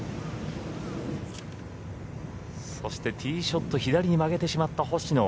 そしてティーショット左に曲げてしまった星野。